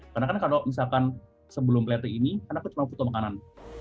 karena kan kalau misalkan sebelum plating ini kan aku cuma foto makanan